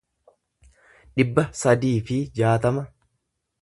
dhibba sadii fi jaatama